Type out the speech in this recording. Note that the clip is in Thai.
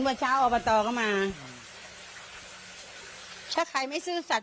ประชาติเอาไปต่อก็มาถ้าใครไม่ซื่อสัตว์